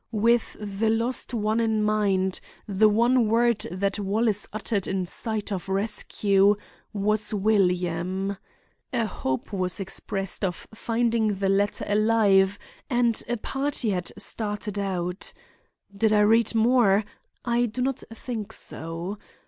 With the lost one in mind, the one word that Wallace uttered in sight of rescue, was William. A hope was expressed of finding the latter alive and a party had started out—Did I read more? I do not think so.